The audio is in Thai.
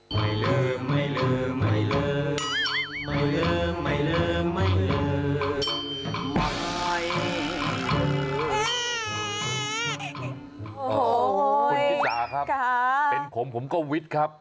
คุณภิกษาครับเป็นผมผมก็วิทย์ครับ